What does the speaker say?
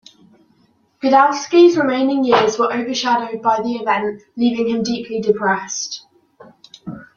Godowsky's remaining years were overshadowed by the event, leaving him deeply depressed.